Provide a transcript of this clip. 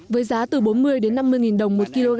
với giá từ bốn mươi đến năm mươi nghìn đồng